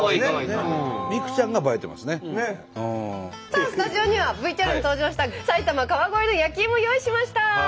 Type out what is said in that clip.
さあスタジオにはＶＴＲに登場した埼玉川越の焼きイモ用意しました！